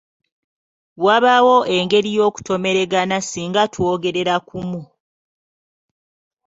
Wabaawo engeri y'okutomeragana singa twogerera kumu.